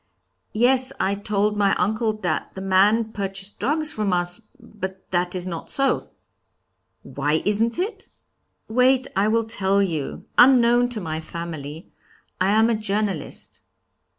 'Yes, I told my uncle that the man purchased drugs from us, but that is not so.' 'Why isn't it?' 'Wait, I will tell you. Unknown to my family I am a journalist.'